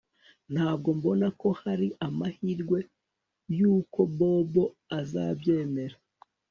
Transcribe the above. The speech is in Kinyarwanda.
Ntabwo mbona ko hari amahirwe yuko Bobo azabyemera